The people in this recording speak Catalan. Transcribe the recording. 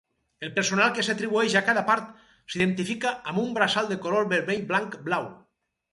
El personal que s'atribueix a cada part s'identifica amb un braçal de color vermell-blanc-blau.